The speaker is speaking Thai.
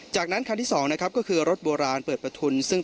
จากนั้นคันที่๒คือรถบ่าราลเปิดประทุน